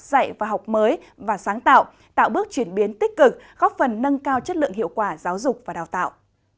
dạy và học mới và sáng tạo tạo bước chuyển biến tích cực góp phần nâng cao chất lượng hiệu quả giáo dục và đào tạo